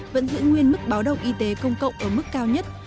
vẫn giữ nguyên mức báo động y tế công cộng ở mức cao nhất